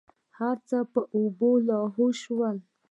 هرڅه په اوبو لاهو سول.